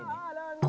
hidup di aceh